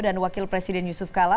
dan wakil presiden yusuf kalla